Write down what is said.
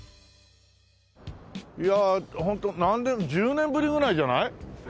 いやあホント何年１０年ぶりぐらいじゃない？